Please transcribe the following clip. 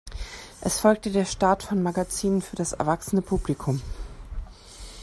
Es folgte der Start von Magazinen für das erwachsene Publikum.